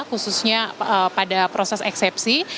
khususnya pada proses eksepsi